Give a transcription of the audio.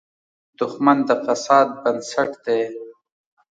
دښمن د فساد بنسټ دی